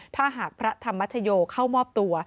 ถ้าหากพระธรรมชโยเข้ามอบตัว